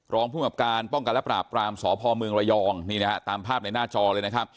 รองภูมิหับการป้องกันและปราบปรามสพระยองตามภาพในหน้าจอเลย